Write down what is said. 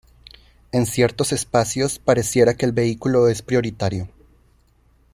En ciertos espacios pareciera que el vehículo es prioritario.